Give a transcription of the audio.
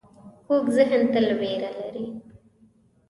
کوږ ذهن تل وېره لري